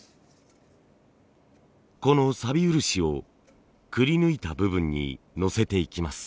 この錆漆をくり抜いた部分にのせていきます。